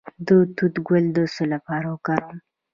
د توت ګل د څه لپاره وکاروم؟